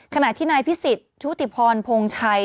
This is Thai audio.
ขณะที่นายพิสิทธิ์ชุติพรพงชัย